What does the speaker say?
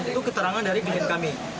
itu keterangan dari klien kami